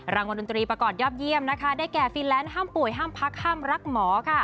รางวัลดนตรีประกอบยอดเยี่ยมนะคะได้แก่ฟินแลนซ์ห้ามป่วยห้ามพักห้ามรักหมอค่ะ